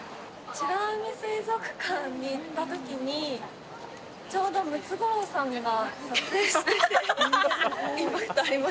美ら海水族館に行ったときに、ちょうどムツゴロウさんが撮影してたんですよ。